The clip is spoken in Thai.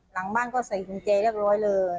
หลังบ้านก็ใส่กุญแจเรียบร้อยเลย